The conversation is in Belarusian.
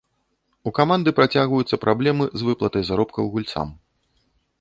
У каманды працягваюцца праблемы з выплатай заробкаў гульцам.